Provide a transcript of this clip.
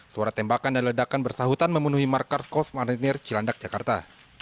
suara tembakan dan ledakan bersahutan memenuhi markas kos marinir cilandak jakarta